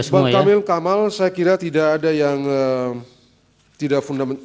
bang kamil kamal saya kira tidak ada yang tidak fundamental